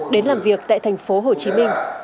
đến làm việc tại thành phố hồ chí minh